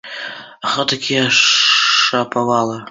А хто такія шапавалы?